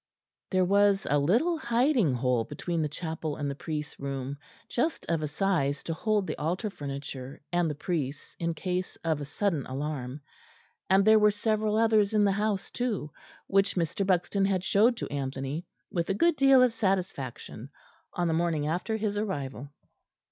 There was a little hiding hole between the chapel and the priest's room, just of a size to hold the altar furniture and the priests in case of a sudden alarm; and there were several others in the house too, which Mr. Buxton had showed to Anthony with a good deal of satisfaction, on the morning after his arrival.